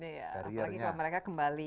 apalagi kalau mereka kembali